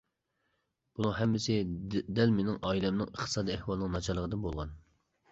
بۇنىڭ ھەممىسى دەل مېنىڭ ئائىلەمنىڭ ئىقتىسادىي ئەھۋالىنىڭ ناچارلىقىدىن بولغان.